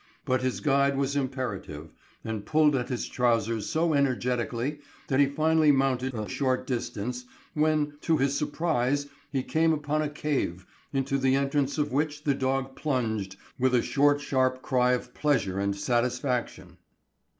But his guide was imperative, and pulled at his trousers so energetically that he finally mounted a short distance, when to his surprise he came upon a cave into the entrance of which the dog plunged with a short sharp cry of pleasure and satisfaction.